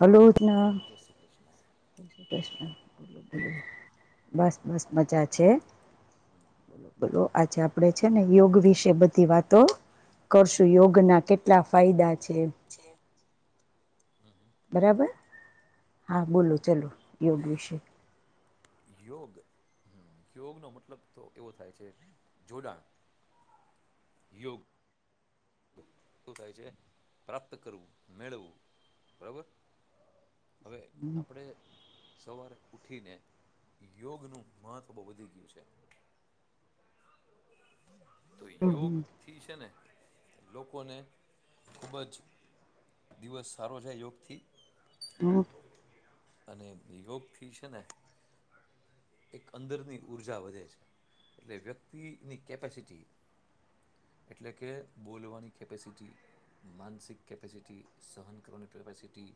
Hello ુંું બસ બસ મજા છેલો બલોું આછા આપડે છે ને યોગ વિશે બધી વાતો કરશું યોગના કેટલા ફાયદા છે હ બરાબર હા બોલો ચાલો યોગ્ય વિશે યોગ હમ યોગ નો મતલબ તો એવો થાય છે જોડાણ યોગ શું થાય છે પ્રાપ્ત કરવું મેળવું બરોબર હવે આપડે સવારે ઉઠીને યોગનુંું મહત્ત્વ બહુ વધી ગયું છે હમ હમ લોકોને, ખુબ જ દિવસ સારો જાય યોગથી. તો અને યોગથી છે ને એક અંદરની ઊર્જા વધે છે એટલે વ્યક્તિ ની કેપેસિટી, એટલે કે બોલવાની કેપેસિટી, માનસિક કેપેસિટી, સહન કરવાની કેપેસિટી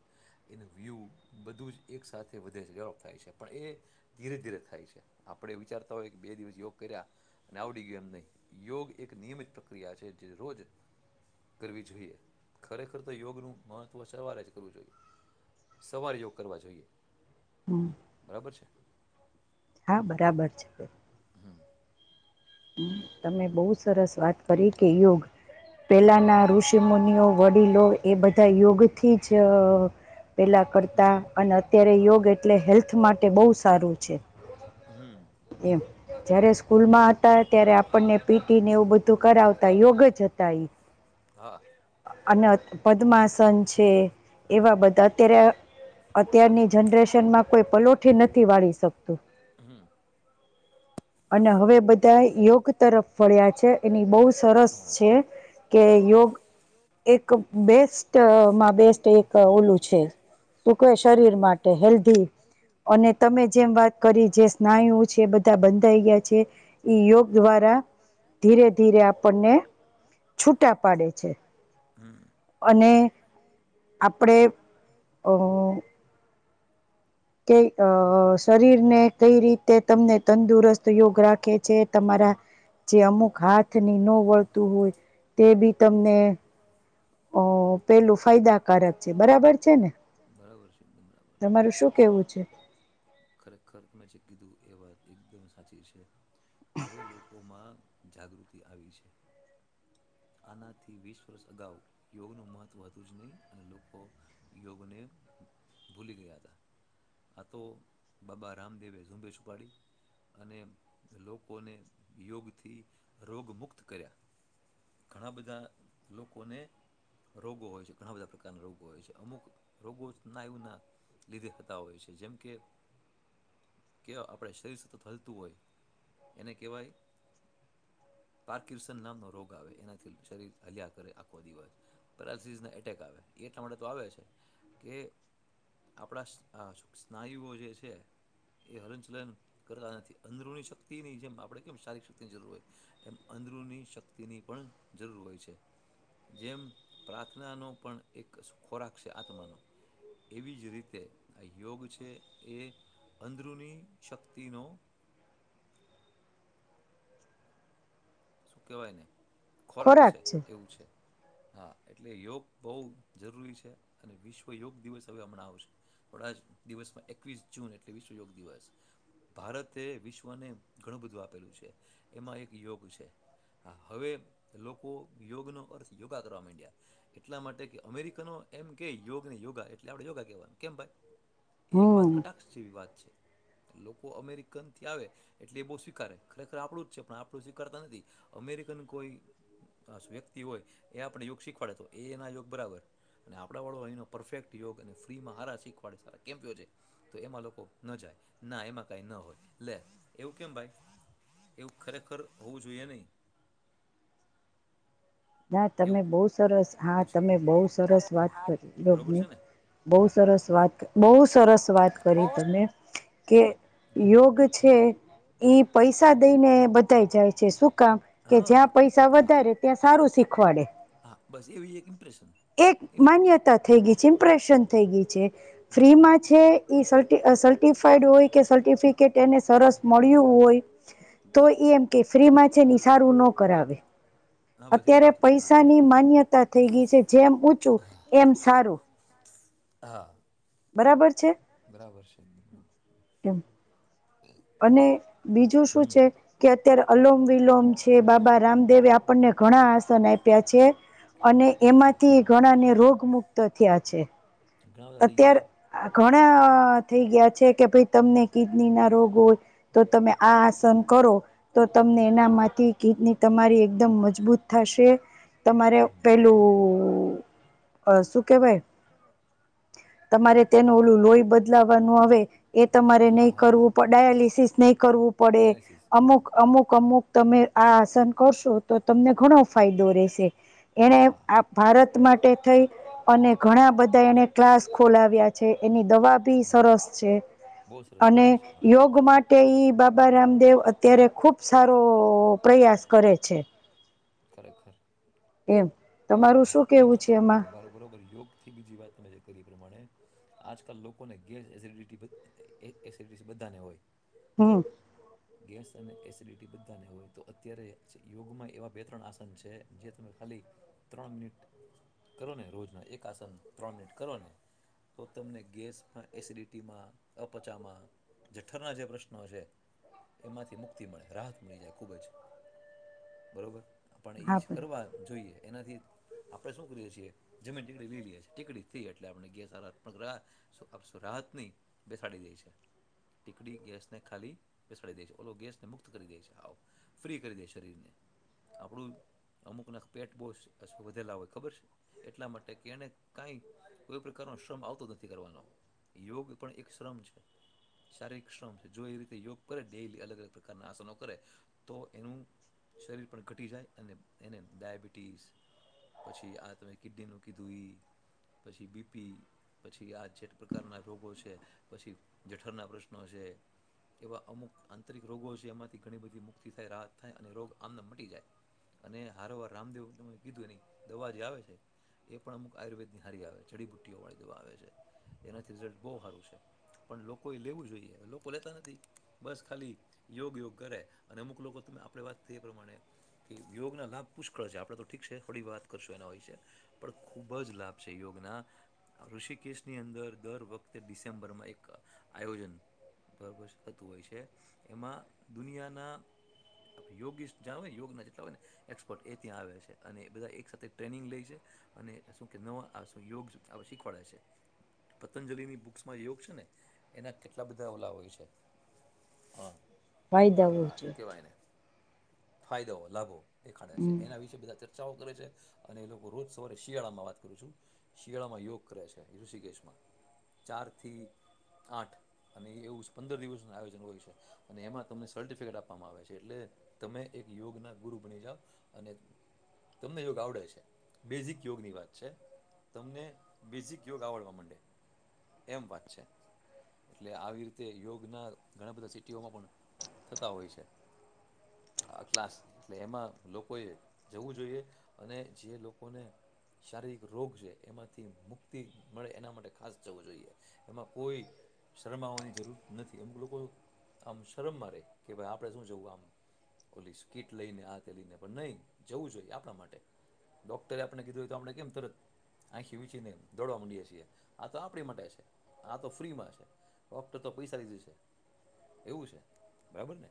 એનું વ્યૂ બધું જ એક સાથે વધે છે ડેવલોપ થાય છે, પણ એ ધીરે ધીરે થાય છે. આપડે વિચારતા હોય કે બે દિવસ યોગ કયરા અને આવડી ગ્યું એમ નહી, યોગ એક નિયમિત પ્રક્રિયા છે, જે રોજ કરવી જોઈએ. ખરેખર તો યોગનુ મહત્વ સવારે જ કરવું જોઈએ. સવારે યોગ કરવા જોઈએ. [unintelligible] કર છે. હા, બરાબર છે. તમે બહુ સરસ વાત કરી કે યોગ પેલાના ઋષિ મુુનિઓ, વડીલો એ બધા યોગથી જ પહેલાં કરતાં અને અત્યારે યોગ એટલે હેલ્થ માટે બોવ સારું છે. એમ જયારે સ્કૂલ માં હતા, ત્યારે આપણને પીટીને એવું બધું કરાવતા યોગ જ હતા ઈ. હા આ અને પદ્માસન છે. એવાં બધાં અત્યારે, અત્યારની જનરેશનમાં કોઈ પલોઠી નથી વાળી શકતું. અને હવે બધા યોગ તરફ વળ્યા છે એની બહુ સરસ છે કે યોગ ક બેસ્ટમાં બેસ્ટ એક ઓલું છે હુ કેવાય શરીર માટે હેલ્ધી અને તમે જેમ વાત કરી જે સ્નાયુ છે, બધાં બંધાઈ ગયા છે, એ યોગ દ્વારા ધીરે ધીરે આપણને છૂટા પાડે છે. અને આપળે અ કે અ શરીરને કઈ રીતે તમને તંદુરસ્ત યોગ રાખે છે, તમારા જે અમુક હાથની નો વળતું હોય, તે બી તમને અ પેલું ફાયદાકારક છે બરાબર છે ને? તમારું શું કેવું છે? ખરેખર, તમે જે કીધું એ વાત એકદમ સાચી છે. હવે, લોકોમાં જાગૃતિ આવી છે. આનાથી વીસ વર્ષ અગાઉ યોગનું મહત્વ હતું જ નહીં અને લોકો યોગને ભૂલી ગયાં હતાં. આ તો બાબા રામદેવે ઝુંબેશ ઉપાડી અને લોકોને યોગથી રોગ મુક્ત કયરા ઘણાં બધાં લોકોને રોગો હોય છે, ઘણાં બધાં પ્રકારના રોગો હોય છે. અમુક રોગો સ્નાયુના લીધે થતાં હોય છે. જેમકે કે આપણે શરીસત હલતું હોય એને કહેવાય પાર્કિસન નામનો રોગ આવે એનાંથી શરીર હલ્યા કરે આખો દિવસ પેરાસીસના એટેક આવે. એટલાં માટે તો આવે છે કે આપણાં શ આ સ સ્નાયુઓ જે છે, એ હલચલન કરતા નથી અંદરરુની શક્તિની જેમ આપણે કેમ શારીરિક શક્તિની જરૂર હોય એમ અંદરુની શક્તિની પણ જરૂર હોય છે. જેમ પ્રાર્થનાનો પણ એક સ ખોરાક સ આત્માનો એવી જ રીતે અઈ યોગ છે, એ અંદરુની શક્તિ નો શું કેવાય એને? ખોરાક છે, એવું છે. હા, એટલે યોગ બહુ જરૂરી છે. અને વિશ્વ યોગ દિવસ હવે હમણાં આવશે. થોડાં જ દિવસમાં, એકવીસ જૂન એટલે વિશ્વ યોગ દિવસ. ભારતે વિશ્વને ઘણું બધું આપેલું છે, એમાં એક યોગ છે. હા, હવે લોકો યોગનો અર્થ યોગા કરવા મંડયા. એટલા માટે કે અમેરિકનો એમ કેય યોગને યોગા એટલે આપણે યોગા કેવા, કેમ ભાઈ? એ એક વાત કટાક્ષ જેવી વાત છે‌. લોકો અમેરિકન થી આવે એટલે એ બહ સ્વીકારે ખરેખર આપણું જ છે, પણ આપણું સ્વીકારતા નથી. અમેરિકન કોઈ ખાસ વ્યક્તિ હોય, એ આપણે યોગ શીખવાડે તો એનાં યોગ બરાબર અને આપડા વાળો અહીનો પરફેક્ટ યોગ અને ફ્રીમાં હારા શીખવાડે સારા કેમ્પ છે તો એમાં લોકો ના જાય, ના એમાં કઈ ન હોય. લે, એવું કેમ ભાઈ એવું ખરેખર હોવું જોઈએ નહી. ત્યાં તમે બોવ સ રસ, હા તમે બોવ સરસ વાત ક બોવ ની બોવ સરસ વાત ક બોવ સરસ વાત કરી તમે, કે યોગ છે ઈ પૈસા દઈને બધાઈ જાય છે, શું કામ? કે જ્યાં પૈસા વધારે ત્યાં સારું શીખવાડે. એક માન્યતા થઈ ગઈ છે ઇમ્પ્રેશન થઈ ગઈ છે. ફ્રીમાં છે ઈ સર્ટિ અ સર્ટિ ફાઈડ હોય કે સર્ટિફિકેટ એને સરસ મળ્યું હોય, તોય ઈ એમ કે ફ્રીમાં છે નિ સારું નો કરાવે. અત્યારે પૈસાની માન્યતા થઈ ગઈ છે. જેમ ઊંચું એમ સારું. હા. બરાબર છે? કેમ. અને બીજું શું છે કે અત્યારે અલોમ વિલોમ છે, બાબા રામદેવે આપણને ઘણા આસન આપ્યા છે અને એમાંથી ઘણા ને રોગ મુક્ત થયા છે. અત્યાર ઘણા થઈ ગયા છે કે ભાઈ તમને કી કડની ના રોગ હોય તો તમે આ આસન કરો તો તમને એનામાંથી કિડની તમારી એકદમ મજબૂત થાશે. તમારે પેલું શું કેહેવાય? તમારે તેનું ઓલું લોહી બદલાવાનું હવે એ તમારે નહી કરવું પડ ડાયાલીસિસ નહી કરવું પડે. અમુક અમુક અમુક તમે આ આસન કરશો તો તમને ઘણો ફાયદો રહેશે. એને આ ભારત માટે થઈ અને ઘણા બધા એને ખોલાવ્યા છે, એની દવા બી સરસ છે. અને યોગ માટે ઈ બાબા રામદેવ અત્યારે ખુબ સારો પ્રયાસ કરે છે. ખરેખર. હા બીજ, મારો બરોબર યોગ થી બીજી વાત તમે જે કરી એ પ્રમાણે આજકાલ લોકોને ગેસ એસિડિટી એક એસિડિસ બધાને હોય. હમ ગેસ અને એસિડિટી બધાને હોય તો અત્યારે યોગમાં એવા બે ત્રણ આસન છે જે તમે ખાલી ત્રણ મિનિટ કરો ને રોજના એક આસન ત્રણ મિનિટ કરો ને તો તમને ગેસ એસિડિટીમાં અપચામાં જઠ્ઠરના જે પ્રશ્નો છે એમાંથી મુક્તિ મળે રાહત મળી જાય ખૂબ જ બરોબર પણ ઈ જ કરવા જોઈએ એનાથી આપણે શું કરીએ છીએ જમીન ટીકડી લઈ લઈએ છીએ ટીકડી થઈ એટલે આપણે ગેસ રાહત પણ રાહત નહીં બેસાડી દે છે ટીકડી ગેસને ખાલી બેસાડી દે છે ઓલો ગેસને મુક્ત કરી દે છે આવ ફ્રી કરી દે શરીરને આપણું અમુકના પેટ બો વધેલા હોય ખબર છે એટલા માટે કે એણે કાંઈ કોઈ પ્રકારનો શ્રમ આવતો નથી કરવાનો યોગ પણ એક એ શ્રમ છે શારીરિક શ્રમ છે જો એ રીતે યોગ કરે ડેલી અલગ અલગ પ્રકારના આસનો કરે તો એનું શરીર પણ ઘટી જાય અને એને ડયાબિટીસ પછી આ તમે કિડની નું કીધું પછી બીપી પછી આ જે પ્રકારના રોગો છે પછી જઠરના પ્રશ્નો છે એવા અમુક આંતરિક રોગો છે એમાંથી ઘણી બધી મુક્તિ થાય રાહત થાય અને રોગ આમને મટી જાય અને હારોવાર રામદેવ તમે કીધું એની દવા જે આવે છે એ પણ અમુક આયુર્વેદની હારી આવે જડીબુટ્ટીઓ વાળી દવા આવે છે એનાથી રિઝલ્ટ બહુ સારું છે પણ લોકો લેવું જોઈએ લોકો લેતા નથી બસ ખાલી યોગ યોગ કરે અને અમુક લોકો આપણે વાત થઈ એ પ્રમાણે કે યોગના લાભ પુષ્કળ છે આપડ તો ઠીક છે થોડી વાત કરશું એના હોય છે પણ ખુબ જ લાભ છે યોગના ઋષિકેશ ની અંદર દર વખતે ડિસેમ્બરમાં એક આયોજન બરાબર થતું હોય છે એમાં દુનિયાના યોગિ જ્યાં હોય ને યોગના જેટલા હોય ને એક્સપર્ટ એ ત્યાં આવે છે અને બધા એક સાથે ટ્રેનિંગ લે છે અને શું કે નવા શું યોગ આપ શીખવાડે છે પતંજલિની બુક્સમાં જે યોગ છે ને એના કેટલા બધા ઓલા હોય છે હ ઓલા શું કેવાય એને ફાયડાવો લાભો દેખાડે છે એના વિશે બધા ચર્ચા કરે છે અને એ લોકો રોજ સવારે શિયાળામાં વાત કરું છું શિયાળામાં યોગ કરે છે ઋષિકેશમાં ચાર થી આઠ અને એવું પંદર દિવસનું આયોજન હોય છે અને એમાં તમને સર્ટિફિકેટ આપવામાં આવે છે એટલે તમે એક યોગના ગુરુ બની જાવ અને તમને યોગ આવડે છે બેઝિક યોગની વાત છે તમને બેઝિક યોગ આવડવા માંડે એમ વાત છે એટલે આવી રીતે યોગના ઘણા બધા સિટીઓમાં પણ થતા હોય છે આ ક્લાસ એટલે એમાં લોકોએ જવું જોઈએ અને જે લોકોને શારીરિક રોગ છે એમાંથી મુક્તિ મળે એના માટે ખાસ જવું જોઈએ એમાં કોઈ શરમાવવાની જરૂર નથી અમુક લોકો આમ શરમમાં રહે કે ભાઈ આપણે શું જવું આમ પોલીસ કીટ લઈને આથે લઈને પણ નહીં જવું જોઈએ આપણા માટે ડૉક્ટરે આપણે કીધું હોય તો આપણે કેમ તરત આંખો મીચીને દોડવા માંડીએ છીએ આ તો આપણી માટે છે આ તો ફ્રીમાં છે ડોક્ટર તો પૈસા લીધે છે એવું છે બરાબર ને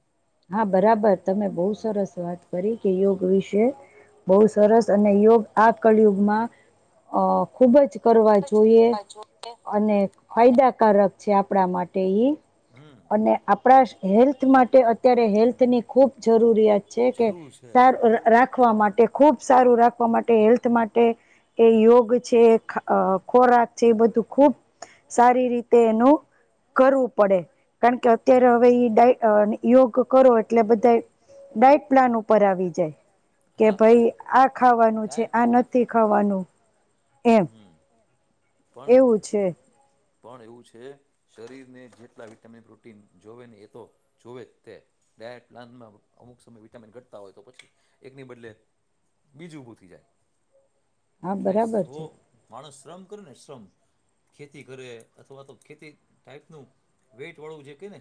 હા બરાબર તમે બહુ સરસ વાત કરી કે યોગ વિશે બહુ સરસ અને યોગ આ કલિયુગમાં અહ ખુબ જ કરવા જોઈએ અને ફાયદાકારક છે આપડા માટે ઈ અને આપડા હેલ્થ માટે અ અત્યારે હેલ્થની ખૂબ જરૂરિયાત છે કે સાર રાખવા માટે ખૂબ સારું રાખવા માટે હેલ્થ માટે એ યોગ છે અહ ખોરાક છે એ બધું ખૂબ સારી રીતે એનું કરવું પડે કારણ કે અત્યારે હવે તે ઈ દાએ અહ ની કો કો કરો એટલે બધા ડઇટ પ્લાન ઉપર આવી જાય કે ભાઈ આ ખાવાનું છે આ નથી ખાવાનું. એમ, એવું છે. પણ એવું છે શરીર ને જેટલા વિટામિન પ્રોટીન જોવે ને એ તો જોવે તે ડાયટ પ્લાનમાં અમુક સમય વિટામીન ઘટતા હોય તો પછી એકની બદલે બીજું ઉભું થઈ જાય. એટલે જો માણસ શ્રમ કરે ને શ્રમ ખેતી કરે અથવા તો ખેતી ટાઈપ નું વેટ વાળું જે કે ને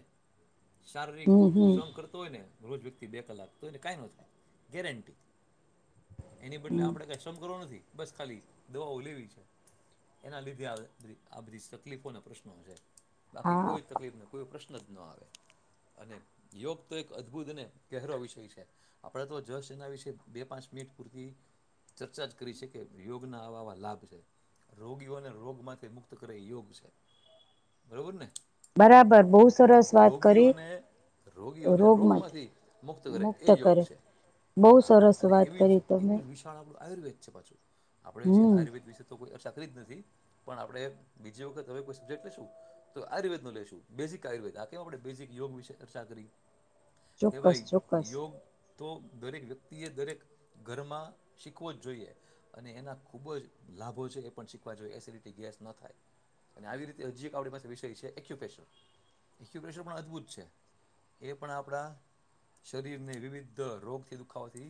શારીરિક શ્રમ કરતો હોય ને રોજ વ્યક્તિ બે કલાક તો એને કાંઈ ન થાય ગેરંટી. એની બદલે આપડે કા શ્રમ કરવો નથી. બસ ખાલી દવાઓ લેવી છે એના લીધે આ ધી આ બધી તકલીફો ના પ્રશ્નો છે. બાકી કોઈ તકલીફ ને કોઈ પ્રશ્ન ન આવે અને યોગ તો એક અદભુત અને ગેહરો વિષય છે આપણેે તો જશ એના વિશે બે પાંચ મિનિટ પૂરતી ચર્ચા જ કરી છે કે યોગના આવાવા લાભ છે રોગીઓને રોગમાંથી મુક્ત કરે એ યોગ છે બરોબર ને? બરાબર બહુ સરસ રોગીઓને રોગીઓને રોગ માંથી મુક્ત કરે એ યોગ છે હા અને એવી જ એવું જ વિશાળ આપડુ આયુર્વેદ છે પાછું આપડે જે આયુર્વેદ વિશે તો કોઈ અશ તકલીક નથી પણ આપડે બીજી વખત હવે કોઈ સબજેક્ટ લેશું તો આયુર્વેદ નો લેશું બેઝિક આયુર્વેદ કેઉં આપડે બેઝિક યોગ વિશે ચર્ચા કરી. ચોક્કસ ચોક્કસ તો દરેક વ્યક્તિ એ દરેક ઘરમાં શીખવો જ જોઈએ અને એના ખૂબ જ લાભો છે એ પણ શીખવા જોઈએ એસિડિટી ગેસ ન થાય અને આવી રીતે હજી એક આપણી પાસે વિષય છે એક્યુપેશન એક્યુપેશર પણ અદભુત છે એ પણ આપડા શરીરને વિવિધ રોગથી દુખાવાથી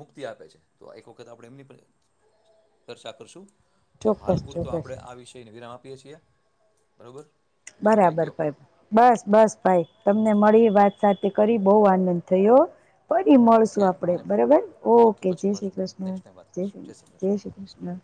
મુક્તિ આપે છે તો એક વખત આપણે એમની પણ ચર્ચા કરશું. તો હાલ પૂરતો આપડે આ વિષયની વિરામ આપ યે છે બરોબર બરાબર પાઈપ બસ બસ ભાઈ તમને મળી વાત સાથે કરી બહુ આનંદ થયો ફરી મળશું આપડે બરાબર ઓકે જય શ્રી કૃષ્ણ જય શ્રી જય શ્રી કૃષ્ણ.